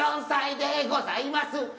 ４４歳でございます。